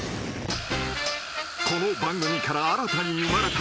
［この番組から新たに生まれた］